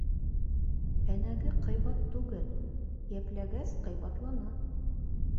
Һәнәге ҡыйбат түгел, йәпләгәс ҡыйбатлана.